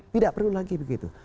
tidak perlu lagi begitu